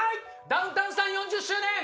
ダウンタウンさん４０周年。